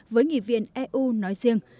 với nghị viện eu nói riêng